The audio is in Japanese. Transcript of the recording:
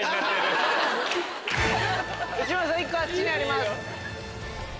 内村さん１個あっちにあります。